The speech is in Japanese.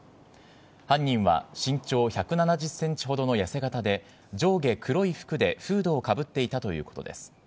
犯人は身長１７０センチほどの痩せ型で、上下黒い服でフードをかぶっていたということです。